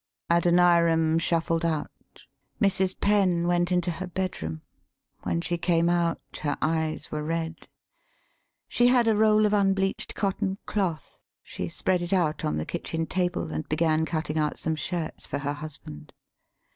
Adoniram shuffled out. Mrs. Penn went into her bedroom. When she came out her eyes were red. [She had a roll of unbleached cotton cloth. She spread it out on the kitchen table, and began cutting out some shirts for her hus band.